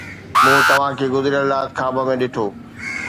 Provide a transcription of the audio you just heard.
مون توهان کي گذريل رات خواب ڏٺو.